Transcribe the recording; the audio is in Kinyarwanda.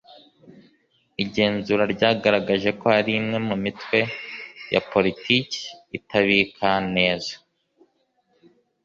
igenzura ryagaragaje ko hari imwe mu mitwe ya politiki itabika neza